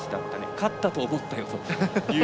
勝ったと思ったよという。